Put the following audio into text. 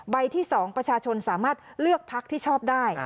ที่๒ประชาชนสามารถเลือกพักที่ชอบได้